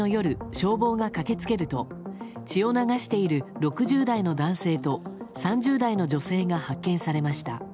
消防が駆け付けると血を流している６０代の男性と３０代の女性が発見されました。